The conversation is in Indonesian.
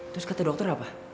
terus kata dokter apa